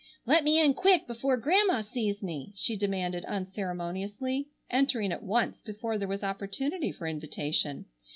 "Let me in quick before Grandma sees me," she demanded unceremoniously, entering at once before there was opportunity for invitation.